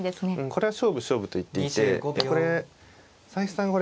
これは勝負勝負と行っていてこれ佐々木さん